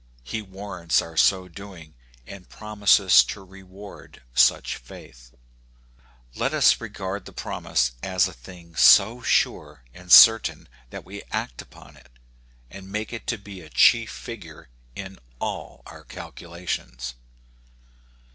He warrants our so doing, and promises to reward such faith. Let us regard the promise as a thing so sure and certain that we act upon it, and make it to be The Promise of God a Reality. 49 a chief figure in all our calculations.